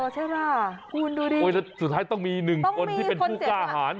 ใช่ป่ะคุณดูดิโอ้ยแล้วสุดท้ายต้องมีหนึ่งคนที่เป็นผู้กล้าหาร